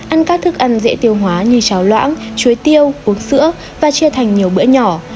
ăn các thức ăn dễ tiêu hóa như trào loãng chuối tiêu uống sữa và chia thành nhiều bữa nhỏ